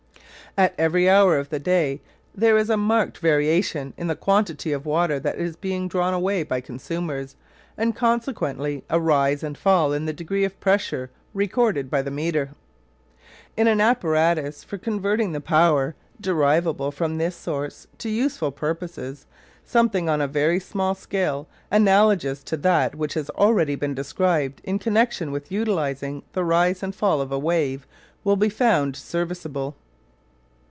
At every hour of the day there is a marked variation in the quantity of water that is being drawn away by consumers, and consequently a rise and fall in the degree of pressure recorded by the meter. In an apparatus for converting the power derivable from this source to useful purposes something on a very small scale analogous to that which has already been described in connection with utilising the rise and fall of a wave will be found serviceable.